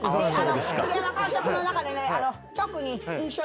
栗山監督の中でね。